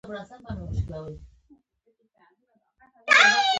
دغو لرغونپوهانو ډېر شمېر لرغوني توکي تر لاسه کړي.